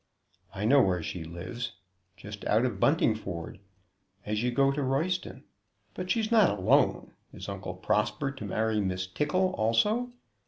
"I know where she lives, just out of Buntingford, as you go to Royston. But she's not alone. Is Uncle Prosper to marry Miss Tickle also?"